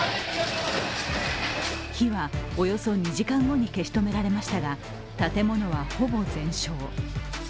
火はおよそ２時間後に消し止められましたが、建物はほぼ全焼。